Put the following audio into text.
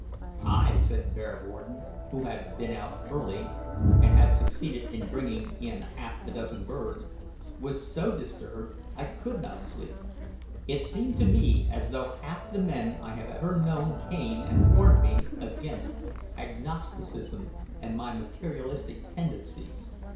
"I," said Bearwarden, who had been out early, and had succeeded in bringing in half a dozen birds, "was so disturbed I could not sleep. It seemed to me as though half the men I have ever known came and warned me against agnosticism and my materialistic tendencies.